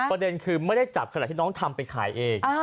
ประเด็นคือไม่ได้จับขนาดที่น้องทำไปขายเอง